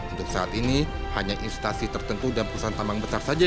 untuk saat ini hanya instasi tertentu dan perusahaan tambang besar saja